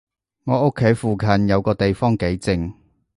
我屋企附近有個地方幾靜